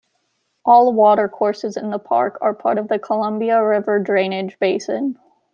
All watercourses in the park are part of the Columbia River drainage basin.